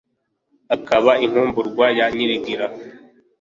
Akaba inkumburwa ya Nyirigira.